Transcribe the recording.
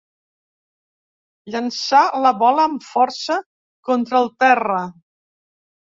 Llançà la bola amb força contra el terra.